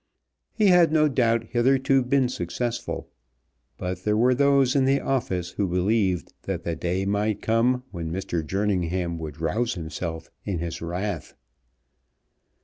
He had no doubt hitherto been successful, but there were those in the office who believed that the day might come when Mr. Jerningham would rouse himself in his wrath.